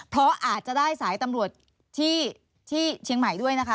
เพราะอาจจะได้สายตำรวจที่เชียงใหม่ด้วยนะคะ